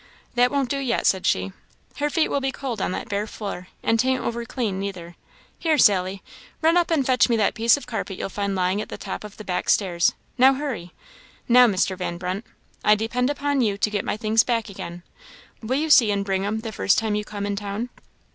"That won't do yet," said she; "her feet will be cold on that bare floor, and 'tain't over clean neither. Here, Sally! run up and fetch me that piece of carpet you'll find lying at the top of the back stairs. "Now, hurry! Now, Mr. Van Brunt, I depend upon you to get my things back again; will you see and bring 'em the first time you come in town?"